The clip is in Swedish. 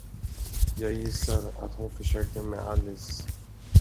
Jag gissar, att hon försökte med Alice.